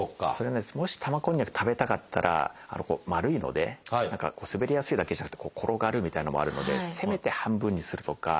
もし玉こんにゃく食べたかったら丸いので何か滑りやすいだけじゃなくて転がるみたいなのもあるのでせめて半分にするとか。